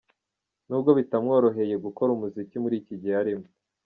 Nubwo bitamworoheye gukora umuziki muri iki gihe arimo.